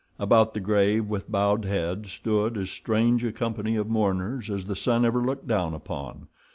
About the grave, with bowed heads, stood as strange a company of mourners as the sun ever looked down upon.